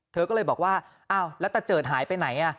เธอก็เลยบอกว่าอ้าวแล้วตะเจิดหายไปไหน